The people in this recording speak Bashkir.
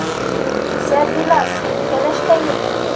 Сәрбиназ, кәләшкәйем!